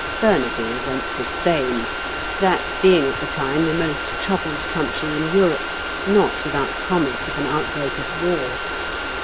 Burnaby went to Spain, that being at the time the most troubled country in Europe, not without promise of an outbreak of war.